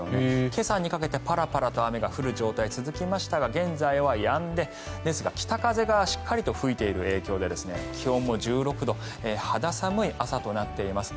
今朝にかけてパラパラと雨が降る状態が続きましたが現在はやんでですが、北風がしっかりと吹いている影響で気温も１６度肌寒い朝となっています。